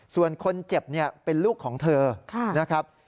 ส่วนคนเจ็บเป็นลูกของเธอนะครับ